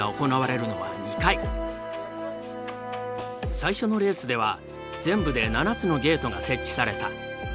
最初のレースでは全部で７つのゲートが設置された。